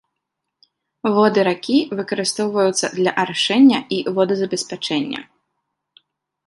Воды ракі выкарыстоўваюцца для арашэння і водазабеспячэння.